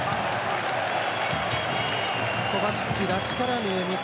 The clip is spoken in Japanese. コバチッチらしからぬミス。